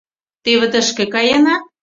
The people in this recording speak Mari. Теве тышке каена